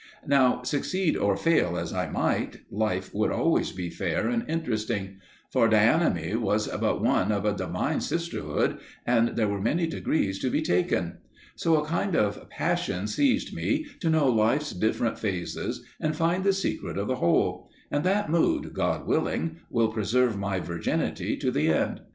Now, succeed or fail as I might, life would always be fair and interesting, for Dianeme was but one of a divine sisterhood, and there were many degrees to be taken. So a kind of passion seized me to know Life's different phases and find the secret of the whole; and that mood, God willing, shall preserve my virginity to the end.